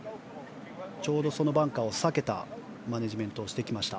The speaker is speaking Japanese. ちょうど、そのバンカーを避けたマネジメントをしてきました。